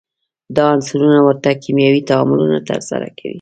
دا عنصرونه ورته کیمیاوي تعاملونه ترسره کوي.